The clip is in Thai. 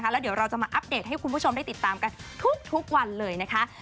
แล้วเดี๋ยวเราจะมาอัปเดตให้คุณผู้ชมได้ติดตามกันทุกวันเลยนะคะ